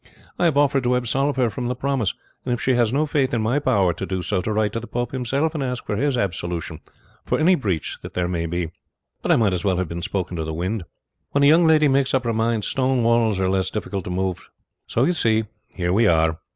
I have offered to absolve her from the promise, and if she has not faith in my power to do so, to write to the pope himself and ask for his absolution for any breach that there may be; but I might as well have spoken to the wind. When a young lady makes up her mind, stone walls are less difficult to move; so you see here we are.